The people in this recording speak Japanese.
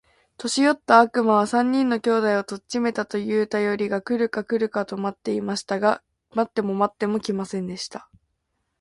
年よった悪魔は、三人の兄弟を取っちめたと言うたよりが来るか来るかと待っていました。が待っても待っても来ませんでした。